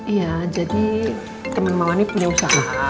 iya jadi temen mama ini punya usaha